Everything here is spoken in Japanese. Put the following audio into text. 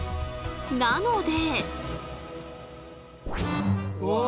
なので。